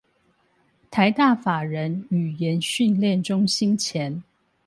臺大法人語言訓練中心前